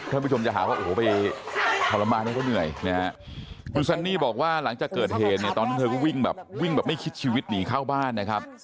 คุณผู้ชมจะหาว่าโอ้โหไปทรมานก็เหนื่อยคุณซันนี่บอกว่าหลังจากเกิดเหตุตอนนั้นเธอก็วิ่งแบบไม่คิดชีวิตหนีเข้าบ้านนะครับ